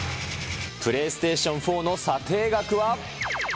プレイステーション４の査定額は。